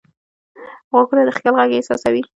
غوږونه د خیال غږ احساسوي